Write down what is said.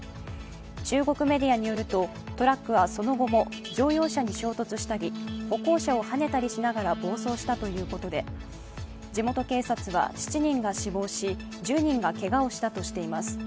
中国メディアによるとトラックはその後も乗用車に衝突したり歩行者をはねたりしながら暴走したということで地元警察は７人が死亡し、１０人がけがをしたとしています。